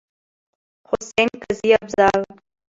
حسين، قاضي افضال.